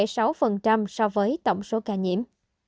so với tổng số ca nhiễm